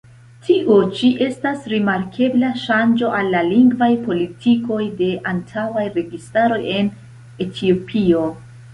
Tio ĉi estas rimarkebla ŝanĝo al la lingvaj politikoj de antaŭaj registaroj en Etiopio.